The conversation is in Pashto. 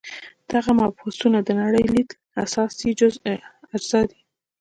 دغه مبحثونه د نړۍ لید اساسي اجزا دي.